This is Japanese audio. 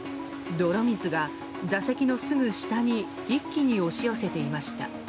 泥水が座席のすぐ下に一気に押し寄せていました。